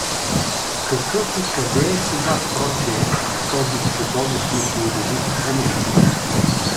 Какъв и къде е сега, прочее, този чудовищно плодовит Омир?